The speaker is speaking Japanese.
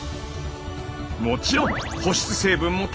もちろん保湿成分もたっぷり！